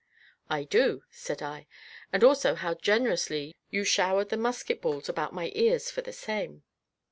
"I do," said I, "and also how generously you showered the musket balls about my ears for the same."